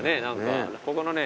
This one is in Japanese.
ここのね